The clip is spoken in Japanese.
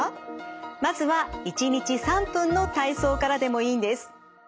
まずは１日３分の体操からでもいいんです。